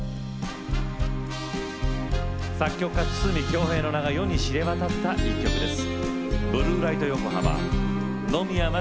作曲家・筒美京平の名が世に知れ渡った１曲です。